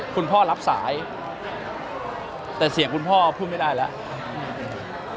รับสายแต่เสียงคุณพ่อพูดไม่ได้แล้ว